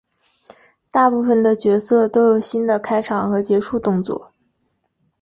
大部分的角色都有新的开场和结束动作。